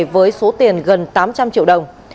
với số tiền gần tám trăm linh triệu đồng